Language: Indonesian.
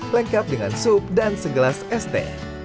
lengkap dengan sup dan segelas este